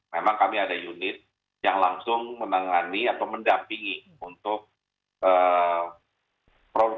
memang kami ada unit yang langsung menangani atau mendampingi untuk produk produk ini